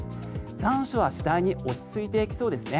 残暑は次第に落ち着いていきそうですね。